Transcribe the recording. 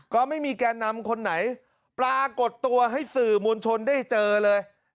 ก็ไม่มีแก่นำคนไหนปรากฏตัวให้สื่อมวลชนได้เจอเลย